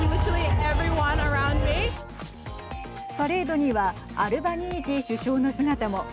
パレードにはアルバニージー首相の姿も。